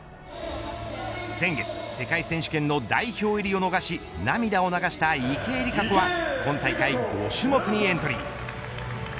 先月、世界選手権の代表入りを逃し涙を流した池江璃花子は今大会５種目にエントリー。